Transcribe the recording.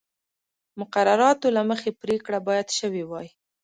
مقرراتو له مخې پرېکړه باید شوې وای.